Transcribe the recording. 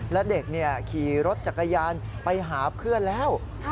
และเด็กขี่รถจักรยานไปหาเพื่อนแล้ว